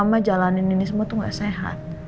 mama jalanin ini semua tuh gak sehat